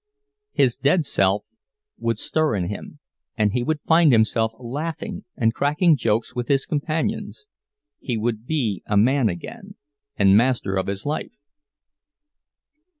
His dead self would stir in him, and he would find himself laughing and cracking jokes with his companions—he would be a man again, and master of his life.